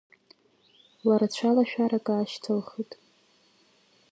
Лара цәалашәарак аашьҭылхит.